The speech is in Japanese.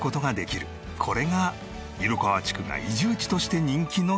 これが色川地区が移住地として人気の秘密。